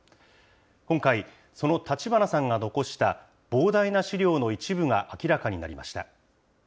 今回、その立花さんが残した膨大な資料の一部が明らかになりました。